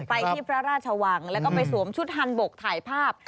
ไปที่พระราชวังแล้วก็ไปสวมชุดฮันบกถ่ายภาพ